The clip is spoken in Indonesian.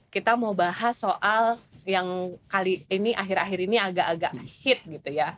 kita mau bahas soal yang kali ini akhir akhir ini agak agak hit gitu ya